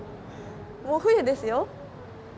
もう冬ですよ。